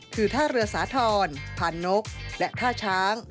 คือท่าเรือสาธรณ์พานนกและท่าช้าง